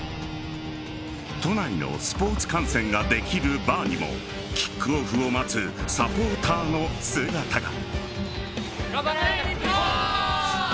都内のスポーツ観戦ができるバーにもキックオフを待つサポーターの姿が。